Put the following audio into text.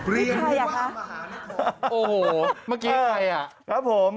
รีนผู้ว่ามหานคร